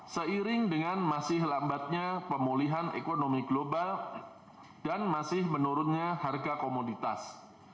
seiring dengan masih lambatnya pemulihan ekonomi global dan masih menurunnya harga komoditas